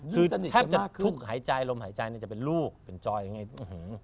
คือแทบจะทุกข์หายใจลมหายใจจะเป็นลูกเป็นจอยอย่างนี้